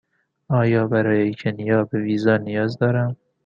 آیا برای کنیا به ویزا نیاز دارم؟